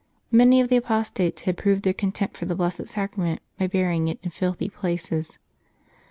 Many of the apostates had proved their con tempt for the Blessed Sacrament by burying it in filthy places.